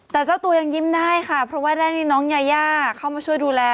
แต่เจ้าตัวยังยิ้มได้ค่ะเพราะว่าได้น้องยายาเข้ามาช่วยดูแล